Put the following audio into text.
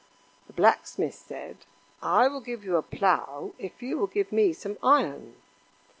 The Blacksmith said: "I will give you a plow if you will give me some iron."